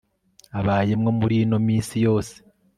abayemwo murino misi yose